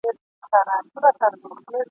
نور وګړي به بېخوبه له غپا وي ..